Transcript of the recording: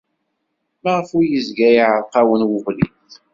Maɣef ay yezga iɛerreq-awen ubrid?